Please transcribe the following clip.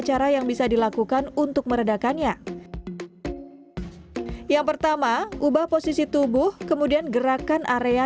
cara yang bisa dilakukan untuk meredakannya yang pertama ubah posisi tubuh kemudian gerakan area